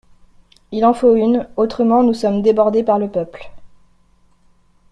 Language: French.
Il en faut une, autrement nous sommes débordés par le peuple.